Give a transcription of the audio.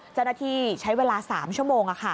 เจ้าหน้าที่ใช้เวลา๓ชั่วโมง